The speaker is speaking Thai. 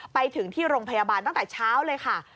ไปถึงที่โรงพยาบาลตั้งแต่เช้าเลยค่ะ